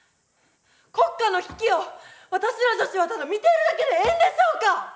国家の危機を私ら女子はただ見ているだけでええんでしょうか？